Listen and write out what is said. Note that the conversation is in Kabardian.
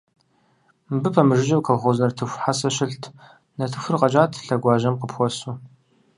Мыбы пэмыжыжьэу колхоз нартыху хьэсэ щылът, нартыхур къэкӏат лъэгуажьэм къыпхуэсу.